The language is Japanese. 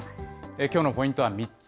きょうのポイントは３つ。